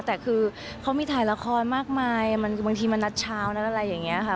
แต่คือเขามีถ่ายละครมากมายบางทีมันนัดเช้านัดอะไรอย่างนี้ค่ะ